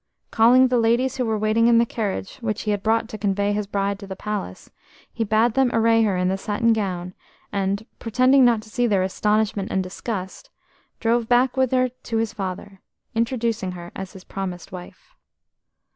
Calling the ladies who were waiting in the carriage which he had brought to convey his bride to the palace, he bade them array her in the satin gown, and, pretending not to see their astonishment and disgust, drove back with her to his father, introducing her as his promised wife.